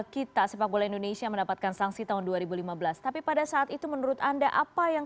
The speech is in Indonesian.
kita sepak bola indonesia mendapatkan sanksi tahun dua ribu lima belas tapi pada saat itu menurut anda apa yang